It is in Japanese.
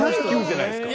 じゃないですか。